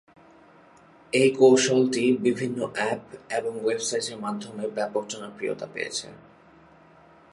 এই কৌশলটি বিভিন্ন অ্যাপ এবং ওয়েবসাইটের মাধ্যমে ব্যাপক জনপ্রিয়তা পেয়েছে।